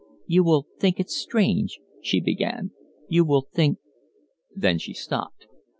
"You will think it strange " she began. "You will think " Then she stopped.